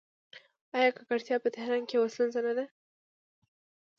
آیا ککړتیا په تهران کې یوه ستونزه نه ده؟